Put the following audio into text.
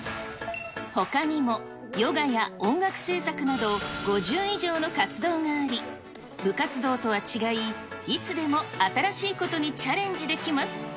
ほかにもヨガや音楽制作など、５０以上の活動があり、部活動とは違い、いつでも新しいことにチャレンジできます。